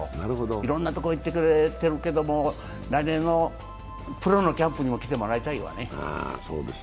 いろんなとこ行ってくれてるけど来年のプロのキャンプにも来てもらいたいわね。